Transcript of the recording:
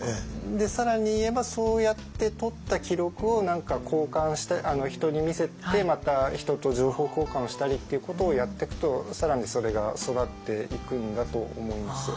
更に言えばそうやって取った記録を交換して人に見せてまた人と情報交換をしたりっていうことをやってくと更にそれが育っていくんだと思います。